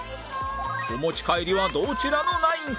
お持ち帰りはどちらのナインか！？